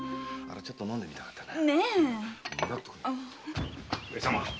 あれちょっと飲んでみたかったな。